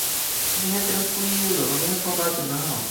Venha tranquilo, não venha afobado não